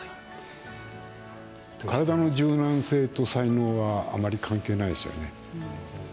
体の柔軟性と才能はあまり関係ないですね。